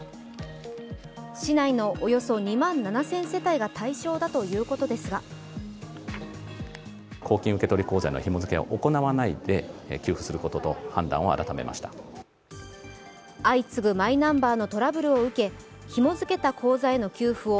市内のおよそ２万７０００世帯が対象だということですが相次ぐ、マイナンバーのトラブルを受けひも付けた口座への給付を